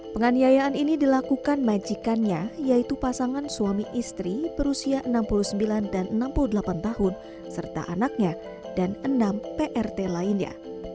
penganiayaan ini dilakukan majikannya yaitu pasangan suami istri berusia enam puluh sembilan dan enam puluh delapan tahun serta anaknya dan enam prt lainnya